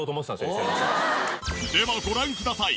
ではご覧ください。